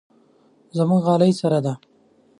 زموږ غالۍ سره ده.